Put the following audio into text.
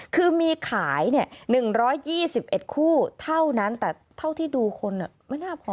คือมีขาย๑๒๑คู่เท่านั้นแต่เท่าที่ดูคนไม่น่าพอ